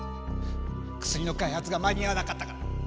薬の開発が間に合わなかったから。